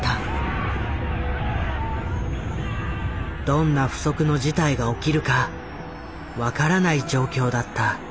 どんな不測の事態が起きるか分からない状況だった。